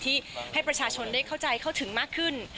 ให้ประชาชนได้เข้าใจเข้าถึงมากขึ้น